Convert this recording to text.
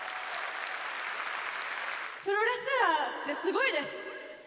プロレスラーってすごいです！